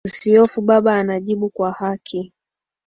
Usihofu Baba anajibu kwa haki